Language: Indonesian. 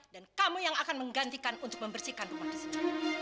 dan kamu yang akan menggantikan untuk membersihkan rumah di sini